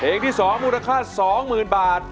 เพลงที่สองมูลค่าสองหมื่นบาท